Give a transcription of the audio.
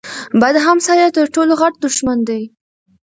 بد همسایه تر ټولو غټ دښمن دی.